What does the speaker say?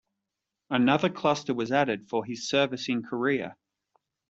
Another cluster was added for his service in Korea.